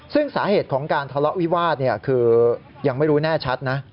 ซึ่งสาเหตุของการทะเลาะวิวาสคือยังไม่รู้แน่ชัดนะ